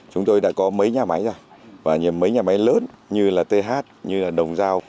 chúng tôi đã có mấy nhà máy rồi và mấy nhà máy lớn như là th như là đồng giao